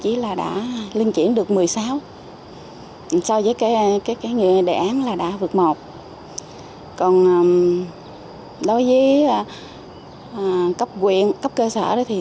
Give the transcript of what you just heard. chỉ là đã linh chuyển được một mươi sáu so với cái đề án là đã vượt một còn đối với cấp quyền cấp cơ sở thì